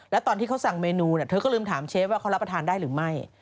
แล้วตอนที่เขาสั่งเมนูเธอก็ลืมถามเชฟว่าเขารับประทานได้หรือไม่